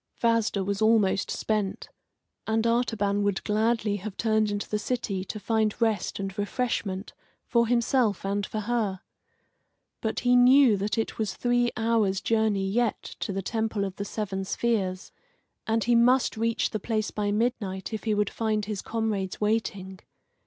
Vasda was almost spent, and Artaban would gladly have turned into the city to find rest and refreshment for himself and for her. But he knew that it was three hours' journey yet to the Temple of the Seven Spheres, and he must reach the place by midnight if he would find his comrades waiting.